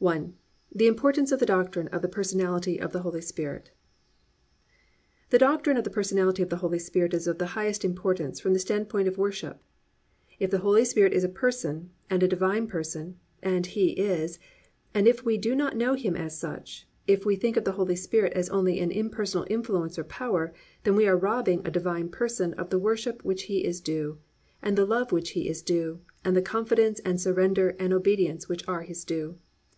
I. THE IMPORTANCE OF THE DOCTRINE OF THE PERSONALITY OF THE HOLY SPIRIT 1. The Doctrine of the Personality of the Holy Spirit is of the highest importance from the standpoint of worship. If the Holy Spirit is a person and a Divine Person, and He is, and if we do not know Him as such, if we think of the Holy Spirit only as an impersonal influence or power, then we are robbing a Divine Person of the worship which is His due, and the love which is His due, and the confidence and surrender and obedience which are His due.